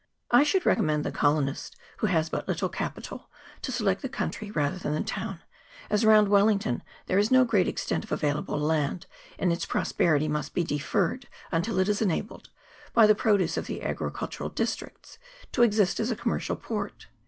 I should recommend the colonist who has but little capital to select the country rather than the town, as around Wellington there is no great extent of avail able land, and its prosperity must be deferred until it is enabled, by the produce of the agricultural dis tricts, to exist as a commercial port.